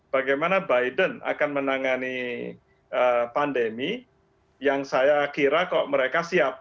bagaimana biden akan menangani pandemi yang saya kira kok mereka siap